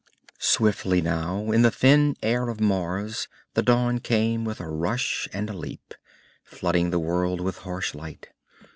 Swiftly now, in the thin air of Mars, the dawn came with a rush and a leap, flooding the world with harsh light.